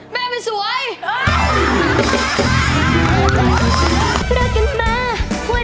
แม่เป็นสวย